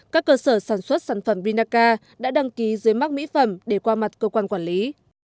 các cơ sở sản xuất sản phẩm vinaca đã đăng ký dưới mắc mỹ phẩm để qua mặt cơ quan quản lý